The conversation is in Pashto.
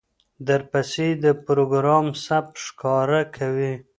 درپسې د پروګرام ثبت راښکاره کوي،